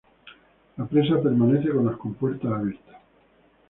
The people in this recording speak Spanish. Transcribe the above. La presa permanece con las compuertas abiertas.